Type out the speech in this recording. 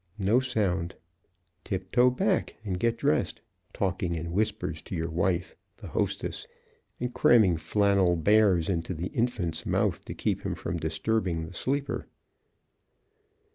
No sound. Tip toe back and get dressed, talking in whispers to your wife (the hostess) and cramming flannel bears into the infant's mouth to keep him from disturbing the sleeper.